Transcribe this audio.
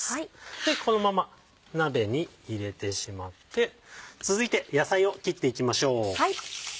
このまま鍋に入れてしまって続いて野菜を切っていきましょう。